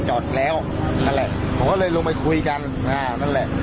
จอดแล้วนั่นแหละผมก็เลยลงไปคุยกันอ่านั่นแหละ